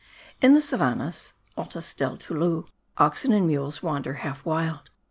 In the savannahs (altas del Tolu) oxen and mules wander half wild.